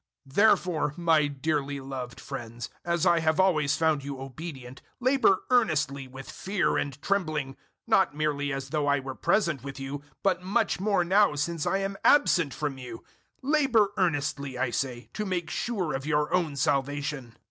002:012 Therefore, my dearly loved friends, as I have always found you obedient, labour earnestly with fear and trembling not merely as though I were present with you, but much more now since I am absent from you labour earnestly, I say, to make sure of your own salvation.